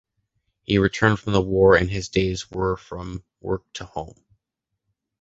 He returned from the war and his days were from work to home.